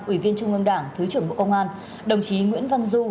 ủy viên trung ương đảng thứ trưởng bộ công an đồng chí nguyễn văn du